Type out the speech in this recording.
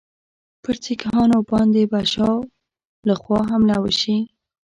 پر سیکهانو باندي به شا له خوا حمله وشي.